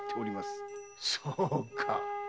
そうか。